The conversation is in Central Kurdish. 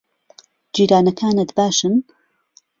جیرانەکانت باشن؟